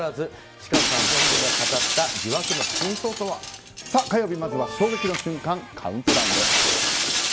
芝翫さん本人が語った火曜日、まずは衝撃の瞬間カウントダウンです。